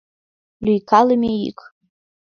Лӱйкалыме йӱк.